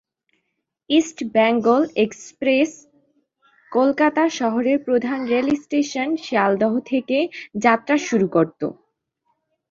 East Bengal express Kolkata শহরের প্রধান rail station Sealdah থেকে যাত্রা শুরু করতো।